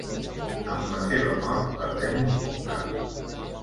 Amb la seva mort, perdem un puntal.